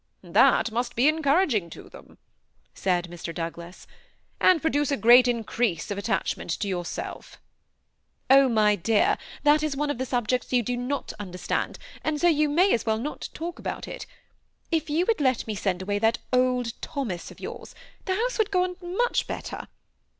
^ That must be encouraging to them," said Mr. Doug las, ^'and produce a great increase of attachment to yourself." ^ Oh ! my dear, that is one of the subjects you do not understand, and so you may as well not talk about it. If you would let me send away that old Thomas of yours, the house would go on much better.